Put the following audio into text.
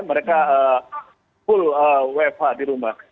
mereka full wfh di rumah